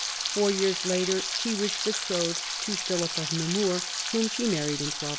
Four years later she was betrothed to Philip of Namur, whom she married in 1210.